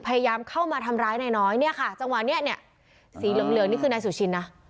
พยายามเข้ามาทำร้ายนายน้อยเนี่ยค่ะจังหวะนี้เนี่ยสีเหลืองเหลืองนี่คือนายสุชินนะ